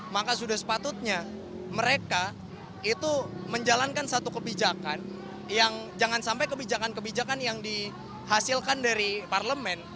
maka sudah sepatutnya mereka itu menjalankan satu kebijakan yang jangan sampai kebijakan kebijakan yang dihasilkan dari parlemen